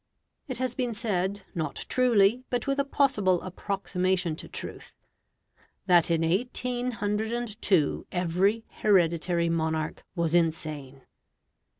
It has been said, not truly, but with a possible approximation to truth, "That in 1802 every hereditary monarch was insane".